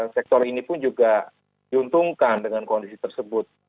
sektor ini pun juga diuntungkan dengan kondisi tersebut